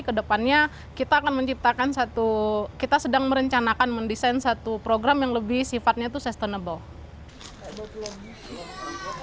kedepannya kita akan menciptakan satu kita sedang merencanakan mendesain satu program yang lebih sifatnya itu sustainable